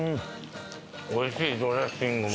おいしいドレッシングも。